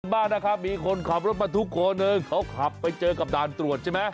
บ้านนะคะมีคนขับรถมาทุกคนเขาขับไปเจอกับด่านตรวจใช่ไหม